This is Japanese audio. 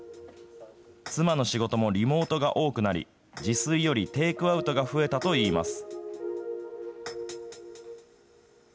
妻の仕事もリモートが多くなり、自炊よりテイクアウトが増えたといいます。